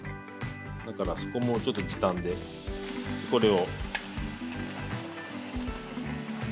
だからそこもちょっと時短でこれを。